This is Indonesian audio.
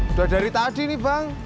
udah dari tadi nih bang